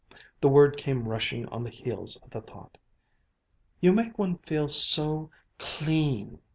The word came rushing on the heels of the thought: "You make one feel so clean!"